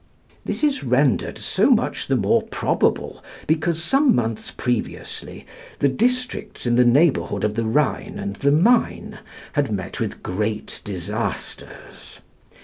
This is rendered so much the more probable because some months previously the districts in the neighbourhood of the Rhine and the Main had met with great disasters.